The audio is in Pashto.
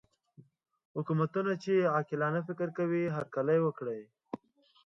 حکومتونه چې عاقلانه فکر کوي هرکلی وکړي.